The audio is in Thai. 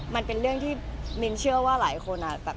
มันเป็นเรื่องที่มินเชื่อว่าหลายคน